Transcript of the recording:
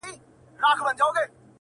نو به په هغه ورځ کيسه د بېوفا واخلمه,